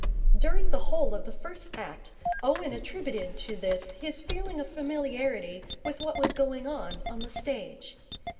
During the whole of the first act Owen attributed to this his feeling of familiarity with what was going on on the stage.